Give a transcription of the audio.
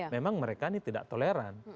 memang mereka ini tidak toleran